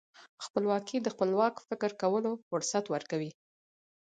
خپلواکي د خپلواک فکر کولو فرصت ورکوي.